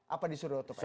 apa disuruh pak sby